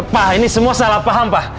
pak ini semua salah paham pak